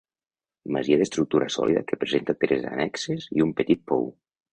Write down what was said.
Masia d'estructura sòlida que presenta tres annexes i un petit pou.